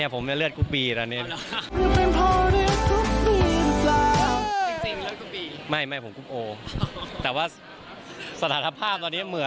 ผมเลือดกุบบีตอนนี้